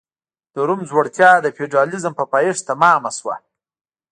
د روم ځوړتیا د فیوډالېزم په پایښت تمام شو